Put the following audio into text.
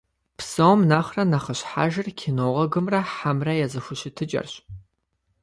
Псом нэхърэ нэхъыщхьэжыр кинологымрэ хьэмрэ я зэхущытыкӀэрщ.